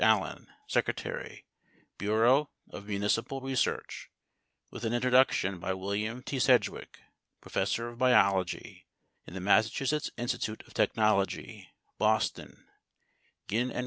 Allen, secretary, Bureau of Municipal Research, with an introduction by William T. Sedgwick, professor of biology in the Massachusetts Institute of Technology, Boston: Ginn & Co.